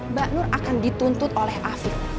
mbak nur akan dituntut oleh afiq